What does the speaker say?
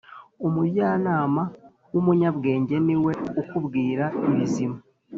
umujyanama w umunyabwenge niwe ukubwira ibizima